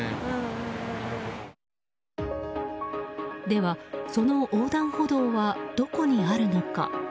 では、その横断歩道はどこにあるのか。